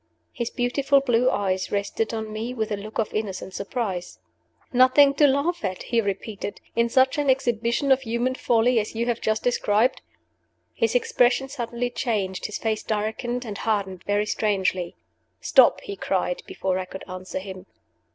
His beautiful blue eyes rested on me with a look of innocent surprise. "Nothing to laugh at," he repeated, "in such an exhibition of human folly as you have just described?" His expression suddenly changed his face darkened and hardened very strangely. "Stop!" he cried, before I could answer him.